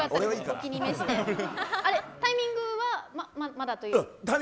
タイミングはまだというか。